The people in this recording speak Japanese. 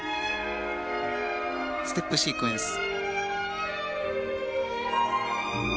ステップシークエンス。